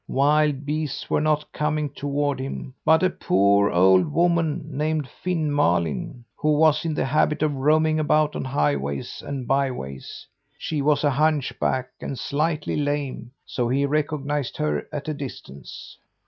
"Wild beasts were not coming toward him, but a poor old woman, named Finn Malin, who was in the habit of roaming about on highways and byways. She was a hunchback, and slightly lame, so he recognized her at a distance.